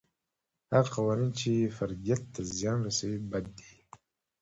هغه قوانین چې فردیت ته زیان رسوي بد دي.